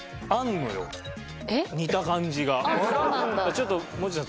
ちょっともう中さん